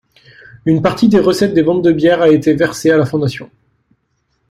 Une partie des recettes des ventes de bière a été versée à la fondation.